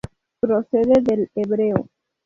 Procede del hebreo.